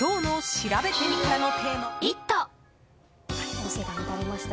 音声が乱れました。